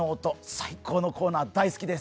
最高のコーナー、大好きです。